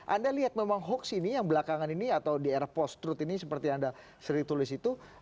anda lihat memang hoax ini yang belakangan ini atau di era post truth ini seperti yang anda sering tulis itu